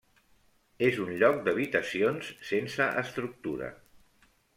És un lloc d'habitacions sense estructura.